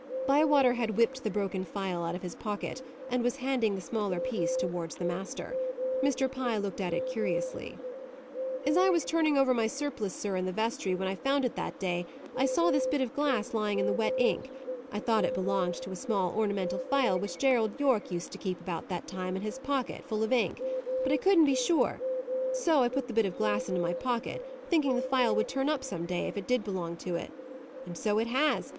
Bywater had whipped the broken phial out of his pocket, and was handing the smaller piece towards the master. Mr. Pye looked at it curiously. "As I was turning over my surplice, sir, in the vestry, when I found it that day, I saw this bit of glass lying in the wet ink. I thought it belonged to a small ornamental phial, which Gerald Yorke used to keep, about that time, in his pocket, full of ink. But I couldn't be sure. So I put the bit of glass into my pocket, thinking the phial would turn up some day, if it did belong to it. And so it has.